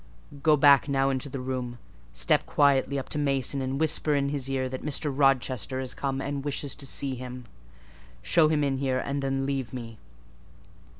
"Go back now into the room; step quietly up to Mason, and whisper in his ear that Mr. Rochester is come and wishes to see him: show him in here and then leave me."